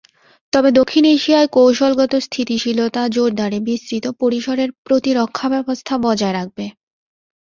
তবে দক্ষিণ এশিয়ায় কৌশলগত স্থিতিশীলতা জোরদারে বিস্তৃত পরিসরের প্রতিরক্ষাব্যবস্থা বজায় রাখবে।